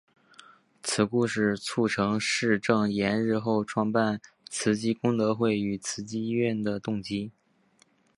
此故事促成释证严日后创办慈济功德会与慈济医院的动机。